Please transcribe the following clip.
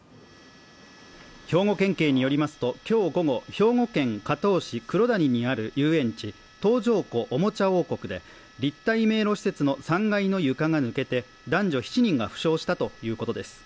兵庫県警によりますと、今日午後兵庫県加東市黒谷にある遊園地、東条湖おもちゃ王国で、立体迷路施設の３階の床が抜けて男女７人が負傷したということです。